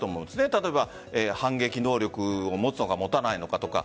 例えば、反撃能力を持つとか持たないのかとか。